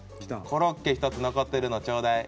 「コロッケひとつ残ってるのちょうだい」